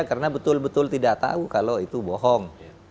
karena betul betul tidak tahu kalau itu bohong